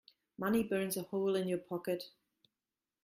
Money burns a hole in your pocket.